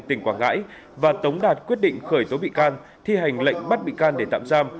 tỉnh quảng ngãi và tống đạt quyết định khởi tố bị can thi hành lệnh bắt bị can để tạm giam